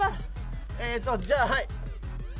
えっとじゃあはい。